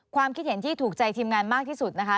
ความคิดเห็นที่ถูกใจทีมงานมากที่สุดนะคะ